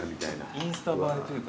インスタ映えというか。